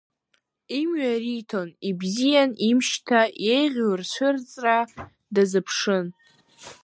Имҩа риҭон, ибзиан имшьҭа, иеиӷьу рцәырҵра дазыԥшын.